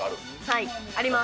はいあります。